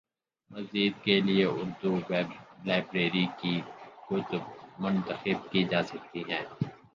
مزید کے لیے اردو ویب لائبریری کی کتب منتخب کی جا سکتی ہیں